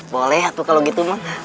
boleh ato kalau gitu mah